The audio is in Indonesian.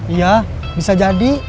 iya bisa jadi